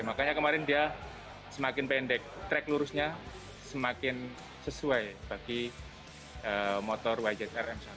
makanya kemarin dia semakin pendek track lurusnya semakin sesuai bagi motor wjet rm satu